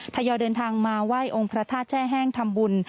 ทยอยเดินทางมาไหว้องค์พระธาตุแช่แห้งทำบุญ